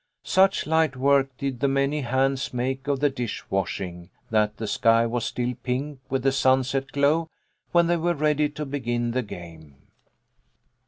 Such light work did the many hands make of the dish washing, that the sky was still pink with the sunset glow when they were ready to begin the game.